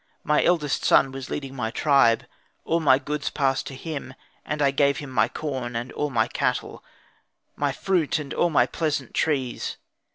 My eldest son was leading my tribe, all my goods passed to him, and I gave him my corn and all my cattle, my fruit, and all my pleasant trees.